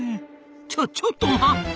ちょちょっと待った！